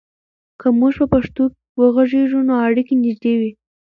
که موږ په پښتو وغږیږو، نو اړیکې نږدې وي.